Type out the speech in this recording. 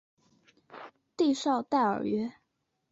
蒂绍代尔日。